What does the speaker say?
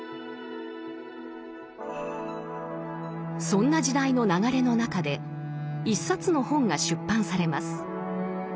そんな時代の流れの中で一冊の本が出版されます。